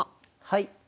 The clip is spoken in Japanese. はい。